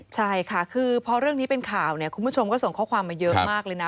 ใช่ค่ะคือพอเรื่องนี้เป็นข่าวเนี่ยคุณผู้ชมก็ส่งข้อความมาเยอะมากเลยนะ